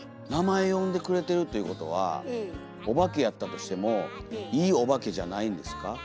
名前呼んでくれてるっていうことはおばけやったとしてもいいおばけじゃないんですか？